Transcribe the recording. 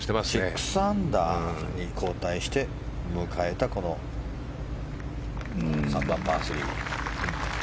６アンダーに後退して迎えた、この３番、パー３。